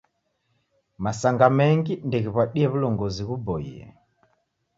Masanga mengi ndeghiw'adie w'ulongozi ghuboie.